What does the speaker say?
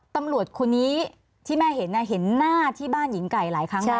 ตำรวจคนนี้ที่แม่เห็นเห็นหน้าที่บ้านหญิงไก่หลายครั้งแล้ว